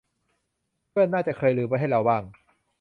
เพื่อนน่าจะเคยลืมไว้ให้เราบ้าง